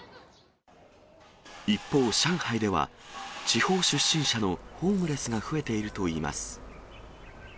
一方、上海では、地方出身者のホームレスが増えているといいます。